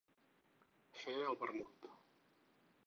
Fer el vermut.